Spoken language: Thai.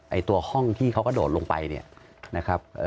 ไอ้ตัวห้องที่เคาร์กระโดดลงไปนะครับ